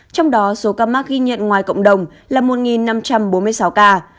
trong đó số ca mắc ghi nhận ngoài cộng đồng là một năm trăm bốn mươi sáu ca